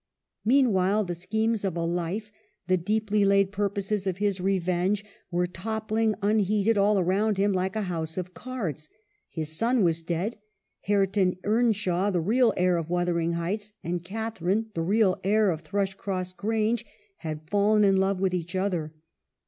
" Meanwhile the schemes of a life, the deeply laid purposes of his revenge, were toppling un heeded all round him, like a house of cards. His son was dead. Hareton Earnshaw, the real heir of Wuthering Heights, and Catharine, the real heir of Thrushcross Grange, had fallen in love with each other.